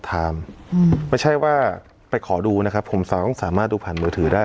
ไม่ใช่ว่าไปขอดูนะครับผมสามารถดูผ่านมือถือได้